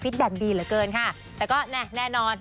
ฟิตแบบดีเหลือเกินค่ะแต่ก็แน่นอน